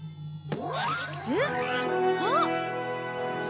えっ？あっ！